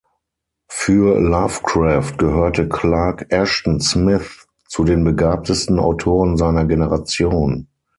Für Lovecraft gehörte Clark Ashton Smith zu den begabtesten Autoren seiner Generation.